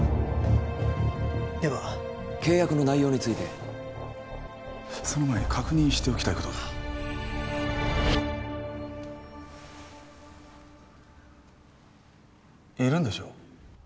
では契約の内容についてその前に確認しておきたいことがいるんでしょう？